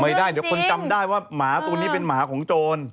ไม่ได้เดี๋ยวคนจำได้ว่าหมาตัวนี้เป็นหมาของโจร